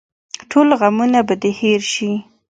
ټول غمونه به دې هېر شي.